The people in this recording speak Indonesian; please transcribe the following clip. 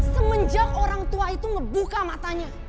semenjak orang tua itu ngebuka matanya